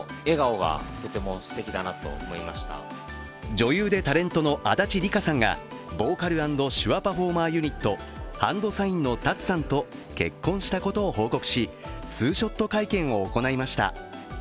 女優でタレントの足立梨花さんがボーカル＆手話パフォーマーユニット・ＨＡＮＤＳＩＧＮのＴＡＴＳＵさんと結婚したことを報告し、ツーショット会見を行いました。